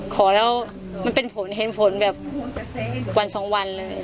ขอแล้วมันเป็นผลเห็นผลแบบวันสองวันเลย